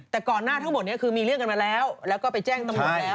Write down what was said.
แต่ก่อนหน้าทั้งหมดนี้คือมีเรื่องกันมาแล้วแล้วก็ไปแจ้งตำรวจแล้ว